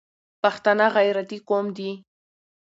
پښتانه غیرتي قوم دي